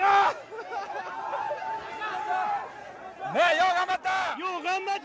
よう頑張った。